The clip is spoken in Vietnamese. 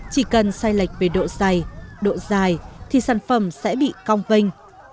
chỉ cần sai lệch về độ dày độ dài thì sản phẩm sẽ bị cong vinh